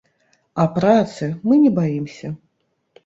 А працы мы не баімся.